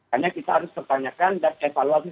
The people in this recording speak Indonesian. hanya kita harus pertanyakan dan evaluasi